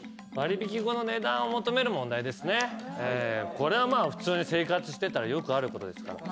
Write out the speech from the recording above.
これはまあ普通に生活してたらよくあることですから。